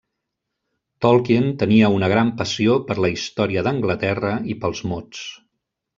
Tolkien tenia una gran passió per la història d'Anglaterra i pels mots.